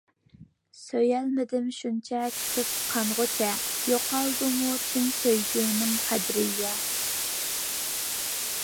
سۆيەلمىدىم شۇنچە كۈتۈپ قانغۇچە يوقالدىمۇ چىن سۆيگۈنىڭ قەدرى يا.